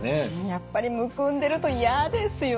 やっぱりむくんでると嫌ですよね。